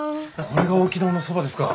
これが沖縄のそばですか。